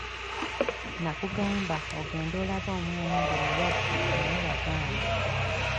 Nnakugamba ogende olabe omwana nga mulwadde naye wagaana.